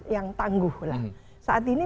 yang tangguh lah saat ini